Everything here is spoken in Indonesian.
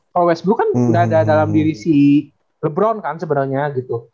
kalo westbrook kan udah ada dalam diri si lebron kan sebenernya gitu